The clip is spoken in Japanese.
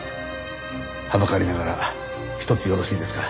はばかりながらひとつよろしいですか？